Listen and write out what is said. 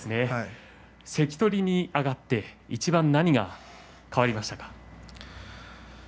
関取に上がって、いちばん何が変わりましたか？